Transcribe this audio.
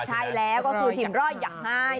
ใช่แล้วก็คือทีมร่อยอยากให้